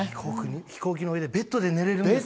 飛行機の上で、ベッドで寝れるんですか。